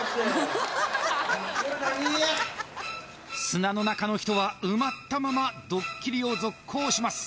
砂の中の人は埋まったままドッキリを続行します